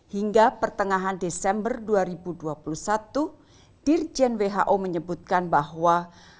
hingga pertengahan desember dua ribu dua puluh satu dirjen who menyebutkan bahwa